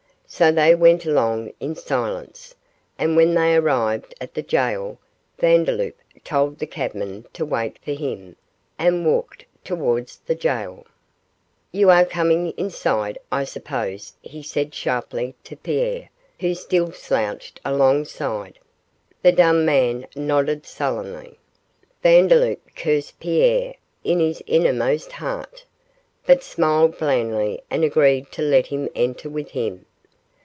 So they went along in silence, and when they arrived at the gaol Vandeloup told the cabman to wait for him, and walked towards the gaol. 'You are coming inside, I suppose,' he said, sharply, to Pierre, who still slouched alongside. The dumb man nodded sullenly. Vandeloup cursed Pierre in his innermost heart, but smiled blandly and agreed to let him enter with him.